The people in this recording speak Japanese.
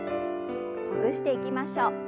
ほぐしていきましょう。